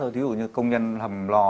thí dụ như công nhân hầm lò